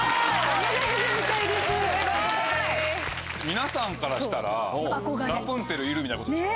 皆さんからしたらラプンツェルいるみたいなことでしょ？